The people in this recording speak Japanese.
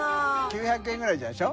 ９００円ぐらいでしょ？